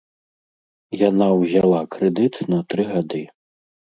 Яна ўзяла крэдыт на тры гады!